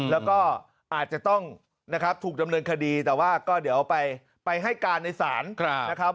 แล้วก็อาจจะต้องนะครับถูกดำเนินคดีแต่ว่าก็เดี๋ยวไปให้การในศาลนะครับ